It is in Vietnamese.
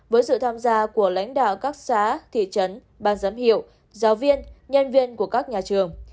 với sự tham gia của lãnh đạo các xã thị trấn ban giám hiệu giáo viên nhân viên của các nhà trường